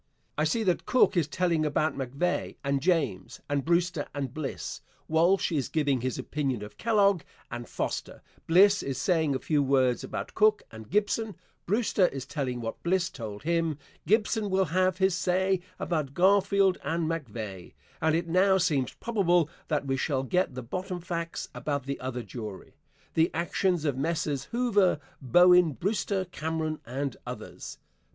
I see that Cook is telling about MacVeagh and James and Brewster and Bliss; Walsh is giving his opinion of Kellogg and Foster; Bliss is saying a few words about Cook and Gibson; Brewster is telling what Bliss told him; Gibson will have his say about Garfield and MacVeagh, and it now seems probable that we shall get the bottom facts about the other jury the actions of Messrs. Hoover, Bowen, Brewster Cameron and others.